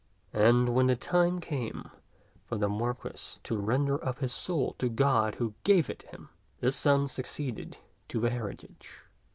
And when the time came for the Marquis to render up his soul to God who gave it him, his son succeeded to the heritage.